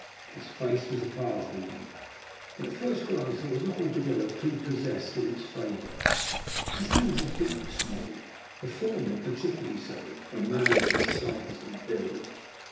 His face was a powerful one, but at first glance I was not altogether prepossessed in its favour. His hands and feet were small, the former particularly so for a man of his size and build.